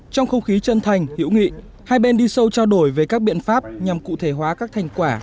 trong không khí chân thành hiểu nghị hai bên đi sâu trao đổi về các biện pháp nhằm cụ thể hóa các thành quả